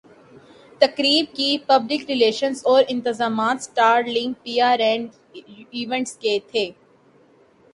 تقریب کی پبلک ریلشنزاورانتظامات Star Link P R and events کے تھے